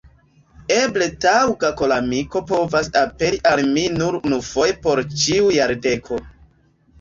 Eble taŭga koramiko povas aperi al mi nur unufoje por ĉiu jardeko.